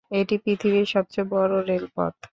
এটি পৃথিবীর সবচেয়ে বড়ো রেলপথ।